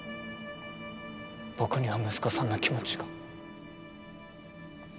僕には息子さんの気持ちが。